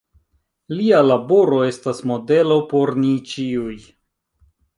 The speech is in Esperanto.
Lia laboro estas modelo por ni ĉiuj.